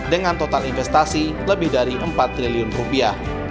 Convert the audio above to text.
dengan total investasi lebih dari empat triliun rupiah